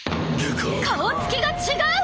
顔つきが違う！